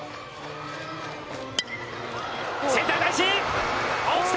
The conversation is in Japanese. センター返し。